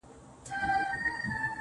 لپاره دې ښار كي په جنگ اوسېږم,